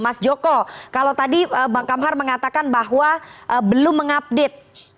mas joko kalau tadi bang kamhar mengatakan bahwa belum mengupdate